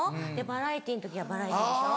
バラエティーの時はバラエティーでしょ。